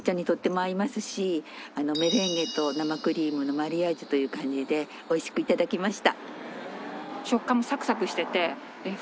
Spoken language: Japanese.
メレンゲと生クリームのマリアージュという感じで美味しく頂きました。